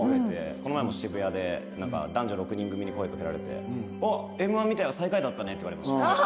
この前も渋谷で男女６人組に声かけられて「おっ『Ｍ−１』見たよ最下位だったね」って言われました。